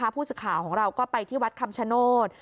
ผู้สื่อข่าวของเราก็ไปที่วัดคำชโนธ